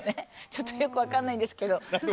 ちょっとよく分からないんですけど。